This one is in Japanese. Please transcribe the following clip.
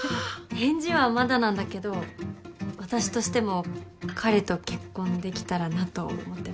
返事はまだなんだけど私としても彼と結婚できたらなと思ってます。